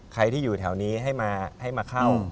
ใครที่อยู่แถวนี้ให้มาเข้า